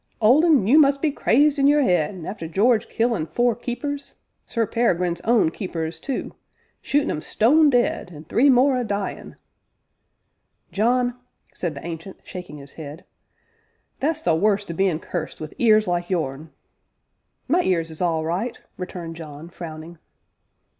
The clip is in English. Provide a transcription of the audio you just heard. "Old Un, you must be crazed in your head, arter Jarge killin' four keepers Sir Peregrine's own keepers too shootin' 'em stone dead, an' three more a dyin' " "John," said the Ancient, shaking his head, "that's the worst o' bein' cursed wi' ears like yourn " "My ears is all right!" returned John, frowning.